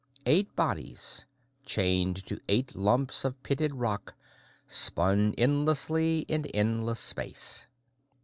Eight bodies, chained to eight lumps of pitted rock, spun endlessly in endless space.